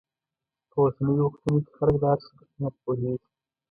په اوسنیو وختونو کې خلک د هر شي په قیمت پوهېږي.